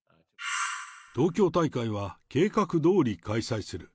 東京大会は計画どおり開催する。